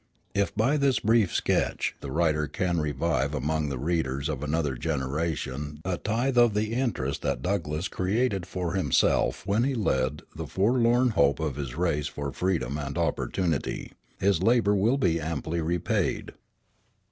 If by this brief sketch the writer can revive among the readers of another generation a tithe of the interest that Douglass created for himself when he led the forlorn hope of his race for freedom and opportunity, his labor will be amply repaid.